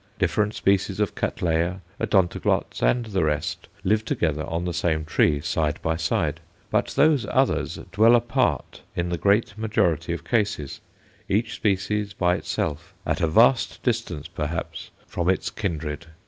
Different species of Cattleya, Odontoglots, and the rest live together on the same tree, side by side. But those others dwell apart in the great majority of cases, each species by itself, at a vast distance perhaps from its kindred.